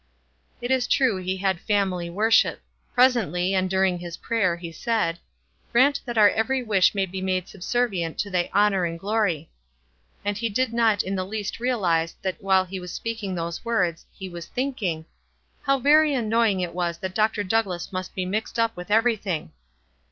It is true ho had family worship; presently and during his prayer he said, "Grant that our every wish may be made subservient to thy honor and glory ;" and he did not in the least realize that while he was speaking these words he was thinking, "How very annoying it was that Dr. Douglass must be mixed up with everything."